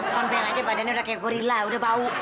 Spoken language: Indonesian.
sampein aja badannya udah kayak gorila udah bau